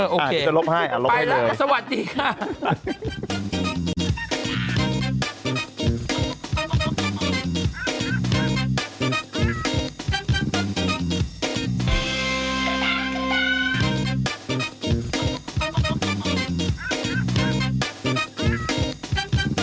เออโอเคไปแล้วสวัสดีค่ะอันต่อไปแล้วอันต่อไปเลย